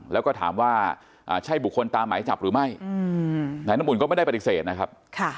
แล้วก็ถามว่าใช่บุคคลตามหมายจับหรือไม่นายน้ำอุ่นก็ไม่ได้ปฏิเสธนะครับ